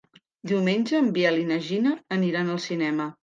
Diumenge en Biel i na Gina aniran al cinema.